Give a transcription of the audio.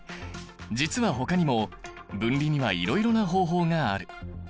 実はほかにも分離にはいろいろな方法がある。